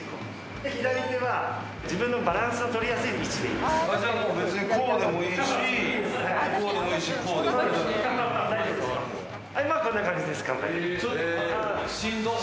左手は自分のバランスの取りやすい位置でいいです。